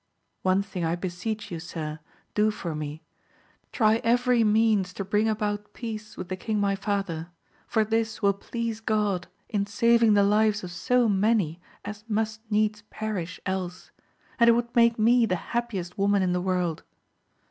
One thing I be seech you, sir, do for me, — try every means to bring about peace with the king my father, for this will please God in saving the lives of so many as must needs perish else, and it would make me the happiest woman in the world.